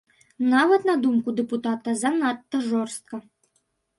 Нават на думку дэпутата занадта жорстка!